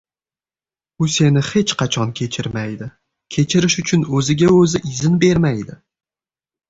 u seni hech qachon kechirmaydi, kechirish uchun o‘ziga o‘zi izn bermaydi.